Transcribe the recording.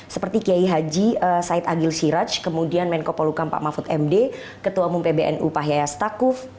seperti kiai haji said agil siraj kemudian menko polukan pak mafud md ketua bumpbnu pak yaya stakuf